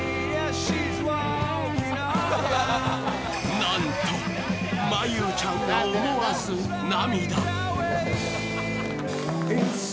なんと、真悠ちゃんが思わず涙。